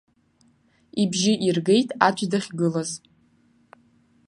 Ибжьы иргеит аӡә дахьгылаз.